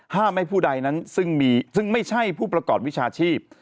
ห้ามให้ผู้ใดนั้นซึ่งมีซึ่งไม่ใช่ผู้ประกอบวิชาชีพ